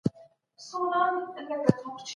موږ به په راتلونکي کې له عدل څخه کار اخلو.